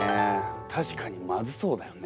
たしかにまずそうだよね。